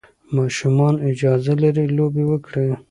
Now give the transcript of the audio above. ماشومان اجازه لري لوبې وکړي.